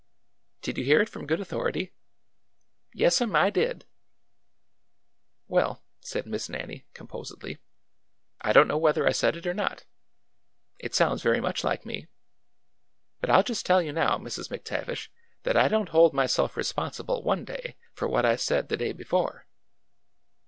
"Did you hear it from good authority?" " Yes 'm, I did !"" Well," said Miss Nannie, composedly, " I don't know whether I said it or not. It sounds very much like me. But I 'll just tell you now, Mrs. McTavish, that I don't hold myself responsible one day for what I said the day before!"